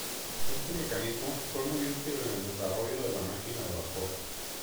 Este mecanismo fue muy útil en el desarrollo de la máquina de vapor.